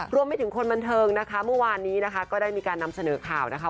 รวมไปถึงคนบันเทิงนะคะเมื่อวานนี้นะคะก็ได้มีการนำเสนอข่าวนะคะ